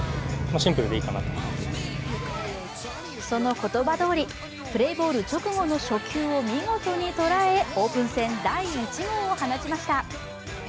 その言葉どおりプレーボール直後の初球を見事に捉えオープン戦第１号を放ちました。